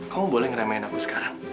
kamu boleh nge remain aku sekarang